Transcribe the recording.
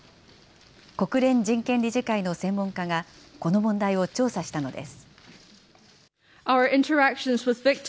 国連人権理事会の専門家が、この問題を調査したのです。